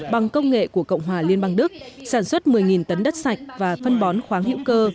bằng công nghệ của cộng hòa liên bang đức sản xuất một mươi tấn đất sạch và phân bón khoáng hữu cơ